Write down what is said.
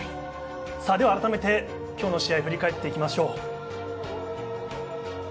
あらためて今日の試合を振り返っていきましょう。